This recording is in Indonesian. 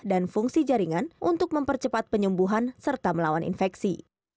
dan fungsi jaringan untuk mempercepat penyembuhan serta melawan infeksi